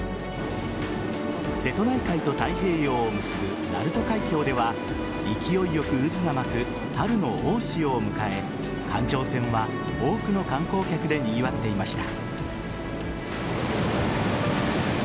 瀬戸内海と太平洋を結ぶ鳴門海峡では勢いよく渦が巻く春の大潮を迎え観潮船は多くの観光客でにぎわっていました。